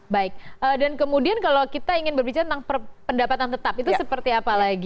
baik dan kemudian kalau kita ingin berbicara tentang pendapatan tetap itu seperti apa lagi